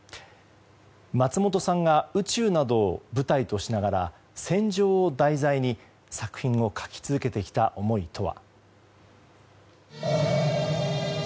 松本さんが宇宙などを舞台としながら戦場を題材に作品を描き続けてきた思いとは。